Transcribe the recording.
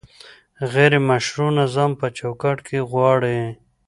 غیر مشروع نظام په چوکاټ کې غواړي؟